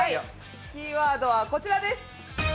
キーワードはこちらです。